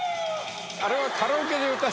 あれは。